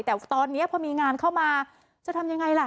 แต่ตอนนี้พอมีงานเข้ามาจะทำยังไงล่ะ